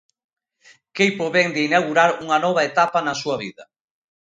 Queipo vén de inaugurar unha nova etapa na súa vida.